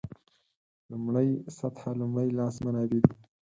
لومړۍ سطح لومړي لاس منابع دي.